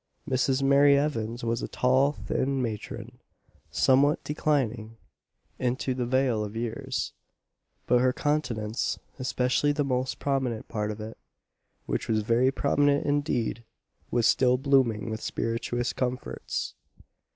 Mrs. Mary Evans was a tall thin matron, somewhat declining into the vale of years; but her countenance especially the most prominent part of it, which was very prominent indeed was still blooming with spirituous comforts.